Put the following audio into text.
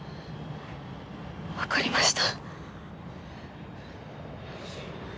分かりました。